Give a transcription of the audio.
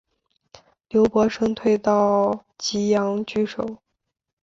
刘伯升退到棘阳据守。